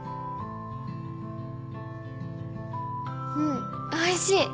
うんおいしい！